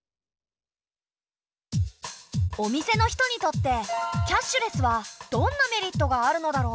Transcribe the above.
お店の人にとってキャッシュレスはどんなメリットがあるのだろう？